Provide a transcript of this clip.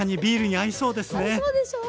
合いそうでしょ？